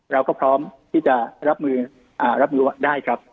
เราก็พร้อมที่จะรับมือได้ครับ